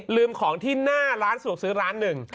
ลืมของที่หน้าร้านสะดวกซื้อร้านหนึ่ง